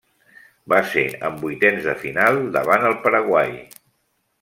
Va ser en vuitens de final davant el Paraguai.